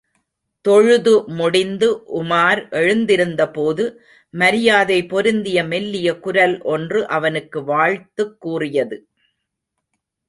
தொழுது முடிந்து உமார் எழுந்திருந்தபோது, மரியாதை பொருந்திய மெல்லிய குரல் ஒன்று அவனுக்கு வாழ்த்துக் கூறியது.